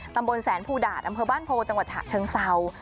ตำบลแสนภูดาตอำเภอบ้านโพจังหวัดฉะเชิงเศร้า